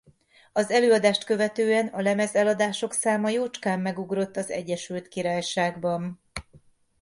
Az előadást követően a lemezeladások száma jócskán megugrott az Egyesült Királyságban.